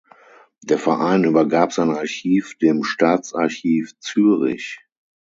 Der Verein übergab sein Archiv dem Staatsarchiv Zürich.